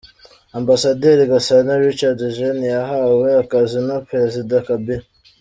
Ambasaderi Gasana Richard Eugene yahawe akazi na Perezida Kabila